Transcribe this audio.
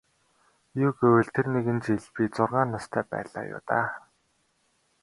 Юу гэвэл тэр нэгэн жил би зургаан настай байлаа юу даа.